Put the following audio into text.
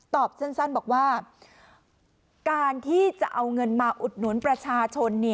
สั้นบอกว่าการที่จะเอาเงินมาอุดหนุนประชาชน